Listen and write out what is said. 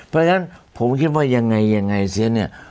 เพราะฉะนั้นผมคิดว่ายังไงยังไงเสียเนี่ย